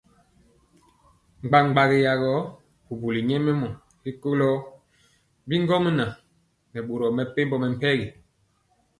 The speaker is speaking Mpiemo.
Bgabgagɔ bubuli nyɛmemɔ rikolo bi ŋgomnaŋ nɛ boro mepempɔ mɛmpegi.